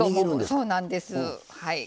そうなんですはい。